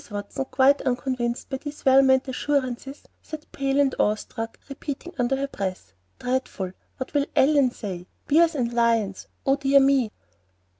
Watson, quite unconvinced by these well meant assurances, sat pale and awe struck, repeating under her breath, "Dreadful! What will Ellen say? Bears and lions! Oh, dear me!"